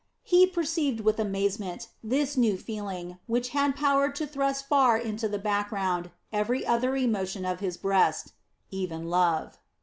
He perceived with amazement this new feeling which had power to thrust far into the background every other emotion of his breast even love.